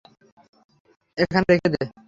এখানে রেখে দে।